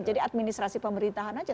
jadi administrasi pemerintahan saja